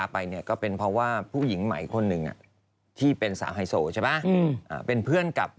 มันก็เลยกลายเป็นแบบ